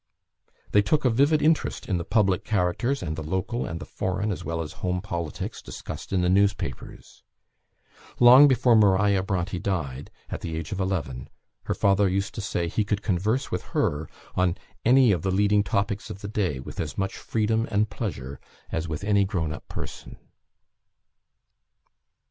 They took a vivid interest in the public characters, and the local and the foreign as well as home politics discussed in the newspapers. Long before Maria Bronte died, at the age of eleven, her father used to say he could converse with her on any of the leading topics of the day with as much freedom and pleasure as with any grown up person.